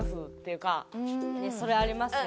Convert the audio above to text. それありますね。